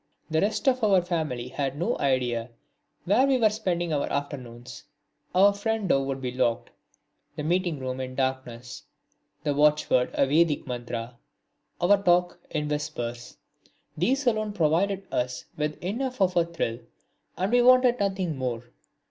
The rest of our family had no idea where we were spending our afternoons. Our front door would be locked, the meeting room in darkness, the watchword a Vedic mantra, our talk in whispers. These alone provided us with enough of a thrill, and we wanted nothing more.